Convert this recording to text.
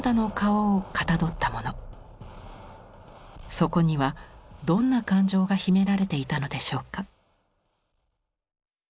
そこにはどんな感情が秘められていたのでしょうか。